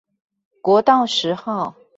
國道十號